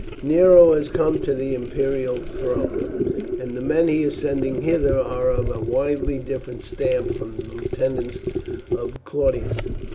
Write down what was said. "Nero has come to the imperial throne, and the men he is sending hither are of a widely different stamp from the lieutenants of Claudius.